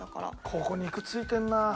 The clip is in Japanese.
ここ肉ついてるな。